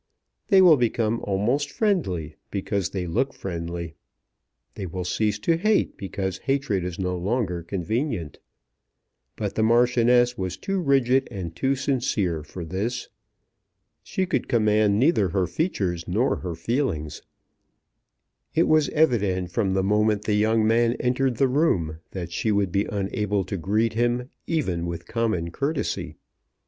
They will become almost friendly because they look friendly. They will cease to hate because hatred is no longer convenient. But the Marchioness was too rigid and too sincere for this. She could command neither her features nor her feelings. It was evident from the moment the young man entered the room, that she would be unable to greet him even with common courtesy.